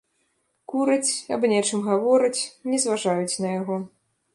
Кураць, аб нечым гавораць, не зважаюць на яго.